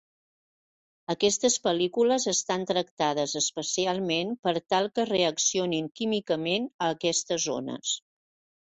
Aquestes pel·lícules estan tractades especialment per tal que reaccionin químicament a aquestes ones.